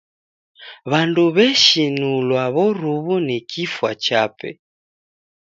W'andu w'eshinulwa w'oru'wu ni kifwa chape.